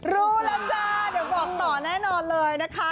รู้แล้วจ้าเดี๋ยวบอกต่อแน่นอนเลยนะคะ